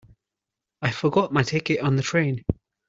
I forgot my ticket on the train.